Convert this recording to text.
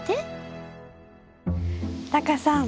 タカさん